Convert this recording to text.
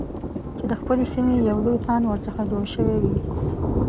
چې د خپلې سیمې یو لوی خان ورڅخه جوړ شوی وي.